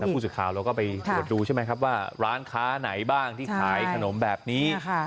แล้วพูดสิทธิ์ข่าวเราก็ไปดูใช่ไหมครับว่าร้านค้าไหนบ้างที่ขายขนมแบบนี้ค่ะ